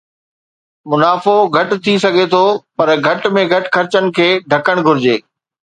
منافعو گهٽ ٿي سگهي ٿو پر گهٽ ۾ گهٽ خرچن کي ڍڪڻ گهرجي